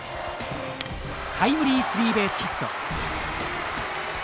タイムリースリーベースヒット。